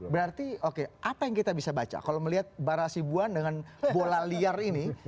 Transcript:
berarti oke apa yang kita bisa baca kalau melihat bara sibuan dengan bola liar ini